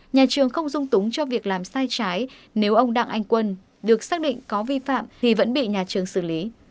nhà trường không dung túng cho việc làm sai trái nếu ông đặng anh quân được xác định có vi phạm thì vẫn bị nhà trường xử lý